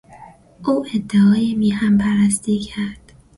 او ادعای میهن پرستی کرد.